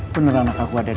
bener anak aku ada disini